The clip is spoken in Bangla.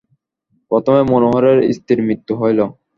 প্রথমে মনোহরের স্ত্রীর মৃত্যু হইল।